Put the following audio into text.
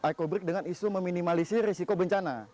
eco break dengan isu meminimalisir risiko bencana